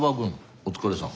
お疲れさん。